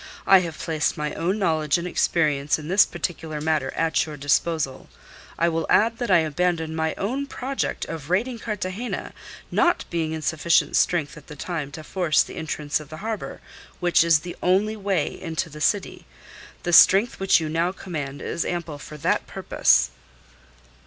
I have placed my own knowledge and experience in this particular matter at your disposal. I will add that I abandoned my own project of raiding Cartagena, not being in sufficient strength at the time to force the entrance of the harbour, which is the only way into the city. The strength which you now command is ample for that purpose."